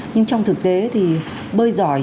nhưng trong thực tế thì bơi giỏi